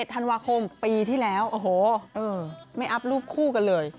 ธันวาคมปีที่แล้วโอ้โหไม่อัพรูปคู่กันเลย